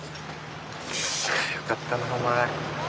よかったなお前。